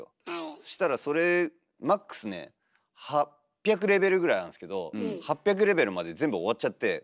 そしたらそれマックスね８００レベルぐらいあるんですけど８００レベルまで全部終わっちゃって。